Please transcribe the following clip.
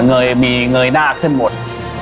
เยยมีเงยหน้าขึ้นหมด